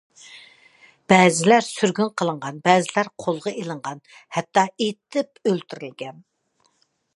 بەزىلەر سۈرگۈن قىلىنغان، بەزىلەر قولغا ئىلىنغان، ھەتتا ئېتىپ ئۆلتۈرۈلگەن.